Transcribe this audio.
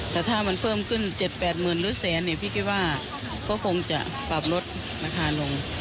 แต่ถ้ามันเพิ่มขึ้น๗๘หมื่นหรือแสนเนี่ยพี่คิดว่าก็คงจะปรับลดราคาลง